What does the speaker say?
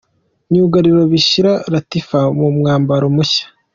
Myugariro Bishira Latif mu mwambaro mushya.